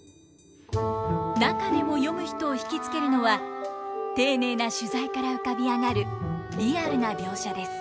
中でも読む人を引き付けるのは丁寧な取材から浮かび上がるリアルな描写です。